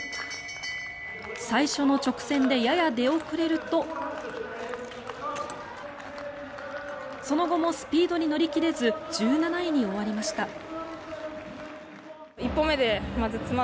最初の直線でやや出遅れるとその後もスピードに乗り切れず１７位に終わりました。